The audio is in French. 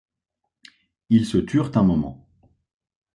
Ils se turent un moment.